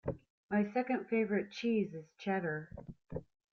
My second favourite cheese is cheddar.